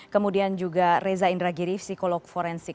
kemudian juga reza indragiri psikolog forensik